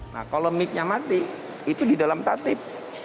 nah kalau mic nya mati itu di dalam tatib